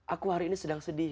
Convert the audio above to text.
aku hari ini sedang sedih